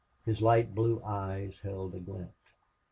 His light blue eyes held a glint.